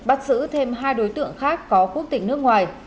bắt giữ thêm hai đối tượng khác có quốc tỉnh nước ngoài